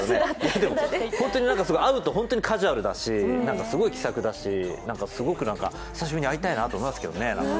でも、本当に会うとカジュアルだしすごい気さくだし、すごく久しぶりに会いたいなと思いますけどね。